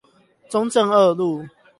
中正二路